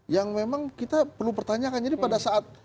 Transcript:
yang memang kita perlu pertanyakan jadi pada saat